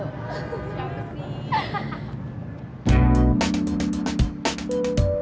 oh siapa sih